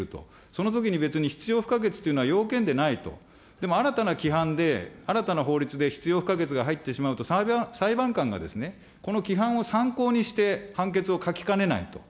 そのときに別に必要不可欠というのは要件でないと、でも新たな規範で、新たな法律で必要不可欠が入ってしまうと、裁判官がですね、この規範を参考にして判決を書きかねないと。